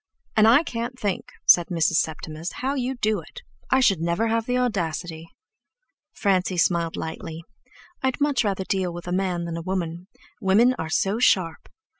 "And I can't think," said Mrs. Septimus, "how you do it. I should never have the audacity!" Francie smiled lightly. "I'd much rather deal with a man than a woman. Women are so sharp!"